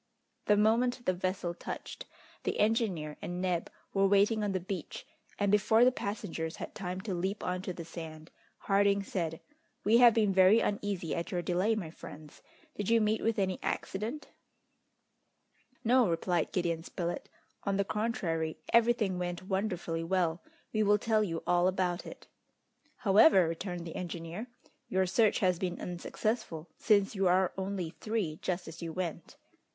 The moment the vessel touched, the engineer and Neb were waiting on the beach, and before the passengers had time to leap on to the sand, Harding said: "We have been very uneasy at your delay, my friends! Did you meet with any accident?" "No," replied Gideon Spilett; "on the contrary, everything went wonderfully well. We will tell you all about it." "However," returned the engineer, "your search has been unsuccessful, since you are only three just as you went!"